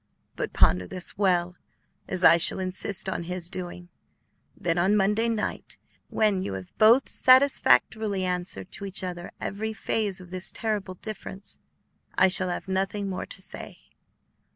But ponder this well, as I shall insist on his doing; then, on Monday night, when you have both satisfactorily answered to each other every phase of this terrible difference, I shall have nothing more to say."